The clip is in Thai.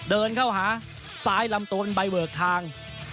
เดินเข้าหาซ้ายลำต้นใบเบิกทาง